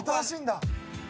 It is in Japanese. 新しいんだ。